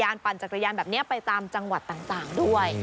ปั่นจักรยานแบบนี้ไปตามจังหวัดต่างด้วย